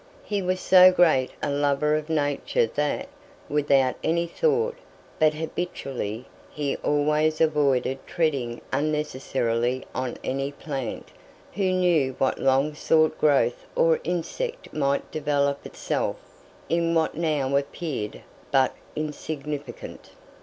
He was so great a lover of nature that, without any thought, but habitually, he always avoided treading unnecessarily on any plant; who knew what long sought growth or insect might develop itself in that which now appeared but insignificant?